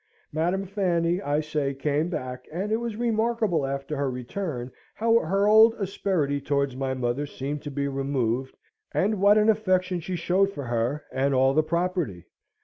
Madam Fanny, I say, came back, and it was remarkable after her return how her old asperity towards my mother seemed to be removed, and what an affection she showed for her and all the property.